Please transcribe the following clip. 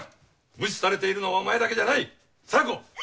無視されているのはお前だけじゃない小夜子！